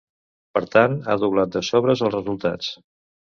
Per tant, ha doblat de sobres els resultats.